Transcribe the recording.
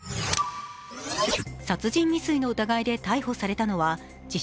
殺人未遂の疑いで逮捕されたのは自称